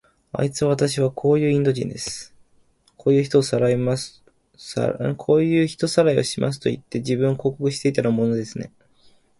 あいつは、わたしはこういうインド人です。こういう人さらいをしますといって、自分を広告していたようなものですね。